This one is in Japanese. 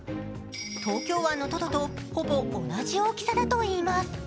東京湾のトドとほぼ同じ大きさだといいます。